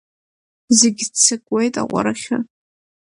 Зегь ццакуеит аҟәарахьы.